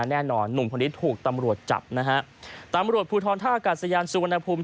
แน่นอนหนุ่มคนนี้ถูกตำรวจจับนะฮะตำรวจภูทรท่าอากาศยานสุวรรณภูมิ